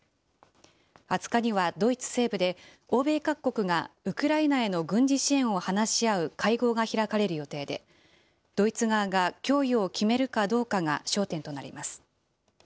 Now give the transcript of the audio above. ２０日にはドイツ西部で、欧米各国がウクライナへの軍事支援を話し合う会合が開かれる予定で、ドイツ側が供与を決めるかどうかが焦点となります。